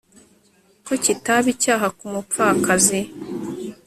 ko kitaba icyaha ku mupfakazi